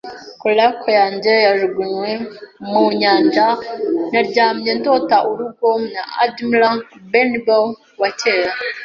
coracle yanjye yajugunywe mu nyanja naryamye ndota urugo na Admiral Benbow wa kera.